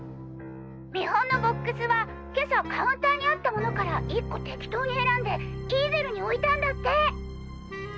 見本のボックスは今朝カウンターにあったものから１個適当に選んでイーゼルに置いたんだって。